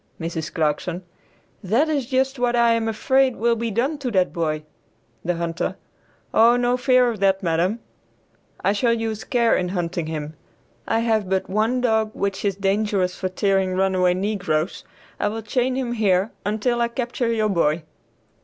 Mrs. Clarkson. "That is just what I am afraid will be done to that boy." The Hunter. "O, no fear of that, madam, I shall use care in hunting him. I have but one dog which is dangerous for tearing runaway negroes; I will chain him here until I capture your boy."